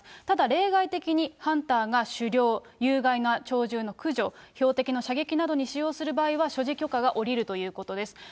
ただ例外的に、ハンターが狩猟、有害な鳥獣の駆除、標的の射撃などに使用する場合は所持許可が下りるということです。